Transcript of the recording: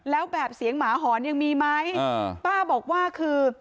แล้วแบบเสียงหมาหอนยังมีไหมป้าบอกว่าคือ